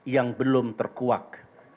yang belum terkuak